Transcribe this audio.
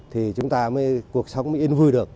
thì chúng ta mới cuộc sống yên vui được